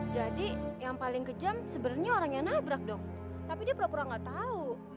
jadi yang paling kejam sebenarnya orang yang nabrak dong tapi dia pura pura gak tau